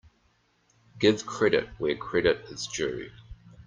Give credit where credit is due.